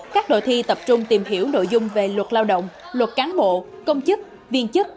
các đội thi tập trung tìm hiểu nội dung về luật lao động luật cán bộ công chức viên chức